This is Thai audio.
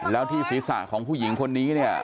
แล้วที่ศีรษะของผู้หญิงคนนี้เนี่ย